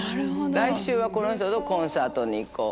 来週はこの人とコンサートに行こう。